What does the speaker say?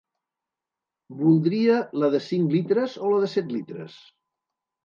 Voldria la de cinc litres o la de set litres?